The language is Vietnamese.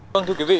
vâng thưa quý vị